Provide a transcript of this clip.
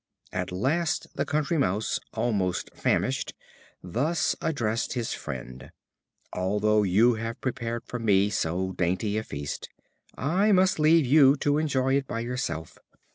At last the Country Mouse, almost famished, thus addressed his friend: "Although you have prepared for me so dainty a feast, I must leave you to enjoy it by yourself.